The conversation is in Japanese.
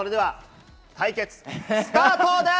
対決スタートです。